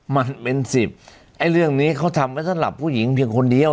มันเป็นสิบไอ้เรื่องนี้เขาทำไว้สำหรับผู้หญิงเพียงคนเดียว